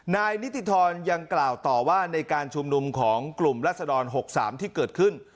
นายนิติธรยังกล่าวต่อว่าในการชุมนุมของกลุ่มรัศดร๖๓ที่เกิดขึ้น